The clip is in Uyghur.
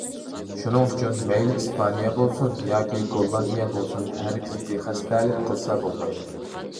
شۇنىڭ ئۈچۈن مەيلى ئىسپانىيە بولسۇن، ياكى گوللاندىيە بولسۇن ھەرگىز بىخەستەلىك قىلسا بولمايدۇ.